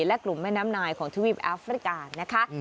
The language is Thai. และกลุ่มแม่น้ำนายของทวีปแอฟริกานะคะ